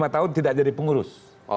lima tahun tidak jadi pengurus